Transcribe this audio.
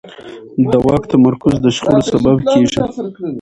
د واک تمرکز د شخړو سبب کېږي